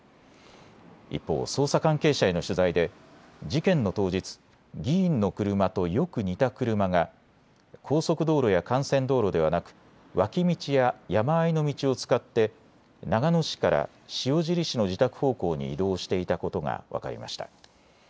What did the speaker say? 一方、捜査関係者への取材で事件の当日、議員の車とよく似た車が高速道路や幹線道路ではなく脇道や山あいの道を使って長野市から塩尻市の自宅方向に移動していたことが分かりました。